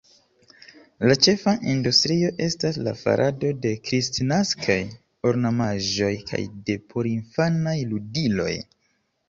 La ĉefa industrio estas la farado de kristnaskaj ornamaĵoj kaj de porinfanaj ludiloj.